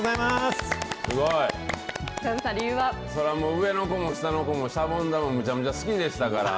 すごい！それはもう、上の子も下の子も、シャボン玉、めちゃめちゃ好きでしたから。